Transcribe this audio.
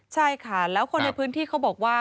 ใช่ค่ะแล้วคนในพื้นที่เขาบอกว่า